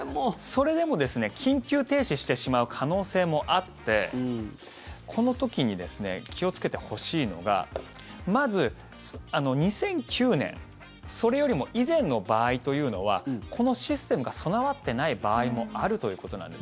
それでも緊急停止してしまう可能性もあってこの時に気をつけてほしいのがまず２００９年それよりも以前の場合というのはこのシステムが備わってない場合もあるということなんです。